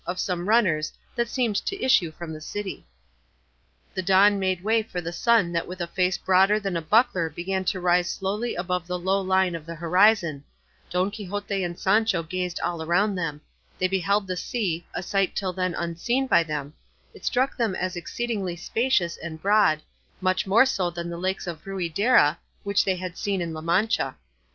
of some runners, that seemed to issue from the city. The dawn made way for the sun that with a face broader than a buckler began to rise slowly above the low line of the horizon; Don Quixote and Sancho gazed all round them; they beheld the sea, a sight until then unseen by them; it struck them as exceedingly spacious and broad, much more so than the lakes of Ruidera which they had seen in La Mancha.